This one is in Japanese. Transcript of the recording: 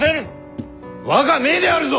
我が命であるぞ！